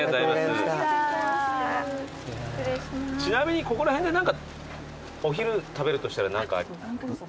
ちなみにここら辺でお昼食べるとしたら何か。